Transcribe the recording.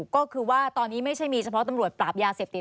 ก็คือว่าตอนนี้ไม่ใช่มีเฉพาะตำรวจปราบยาเสพติด